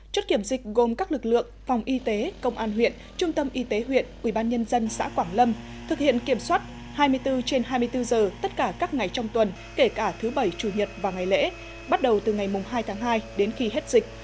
chốt kiểm dịch gồm các lực lượng phòng y tế công an huyện trung tâm y tế huyện ubnd xã quảng lâm thực hiện kiểm soát hai mươi bốn trên hai mươi bốn giờ tất cả các ngày trong tuần kể cả thứ bảy chủ nhật và ngày lễ bắt đầu từ ngày hai tháng hai đến khi hết dịch